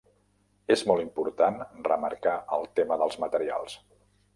És molt important remarcar el tema dels materials.